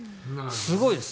すごいです。